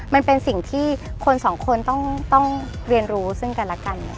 มันเป็นสิ่งที่คนสองคนต้องเรียนรู้ซึ่งกันและกัน